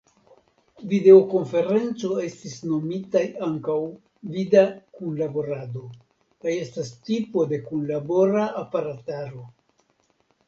Videokonferenco estis nomitaj ankaŭ "vida kunlaborado" kaj estas tipo de kunlabora aparataro.